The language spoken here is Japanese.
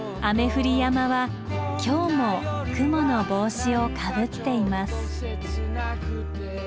雨降り山は今日も雲の帽子をかぶっています。